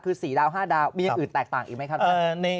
คือ๔ดาว๕ดาวมีอย่างอื่นแตกต่างอีกไหมครับท่าน